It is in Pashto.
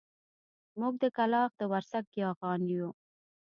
موږ د کلاخ د ورسک ياغيان يو.